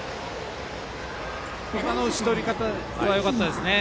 今の打ち取り方よかったですね。